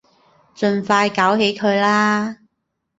盡快搞起佢啦